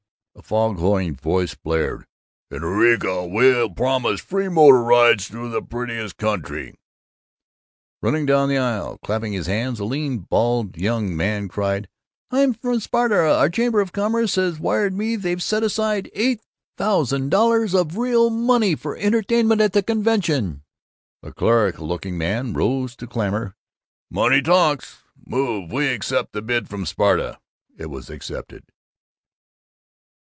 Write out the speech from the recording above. A fog horn voice blared, "In Eureka we'll promise free motor rides through the prettiest country " Running down the aisle, clapping his hands, a lean bald young man cried, "I'm from Sparta! Our Chamber of Commerce has wired me they've set aside eight thousand dollars, in real money, for the entertainment of the convention!" A clerical looking man rose to clamor, "Money talks! Move we accept the bid from Sparta!" It was accepted.